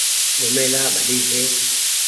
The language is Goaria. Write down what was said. گھومي لآ ڀلي ڇي۔